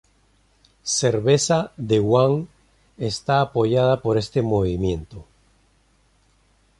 Cerveza The One está apoyada por este movimiento.